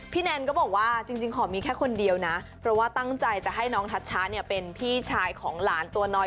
แนนก็บอกว่าจริงขอมีแค่คนเดียวนะเพราะว่าตั้งใจจะให้น้องทัชชะเนี่ยเป็นพี่ชายของหลานตัวน้อย